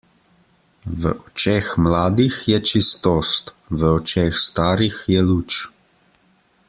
V očeh mladih je čistost, v očeh starih je luč.